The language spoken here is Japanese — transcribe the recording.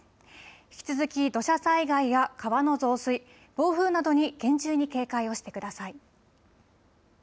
引き続き土砂災害や川の増水、暴風などに厳重に警戒をしてください。